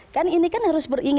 kan ini kan harus beringat